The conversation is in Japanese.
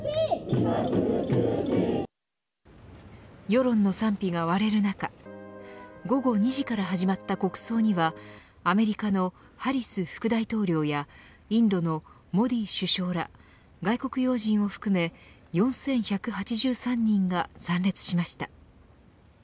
世論の賛否が割れる中午後２時から始まった国葬にはアメリカのハリス副大統領やインドのモディ首相ら外国要人を含め４１８３人が参列しました。